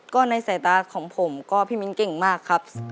ก็ในสายตาของผมก็พี่มิ้นเก่งมากครับ